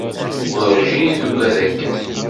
Werǧin i tugad akken.